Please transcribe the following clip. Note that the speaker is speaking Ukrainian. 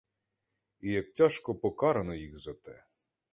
І як тяжко покарано їх за те!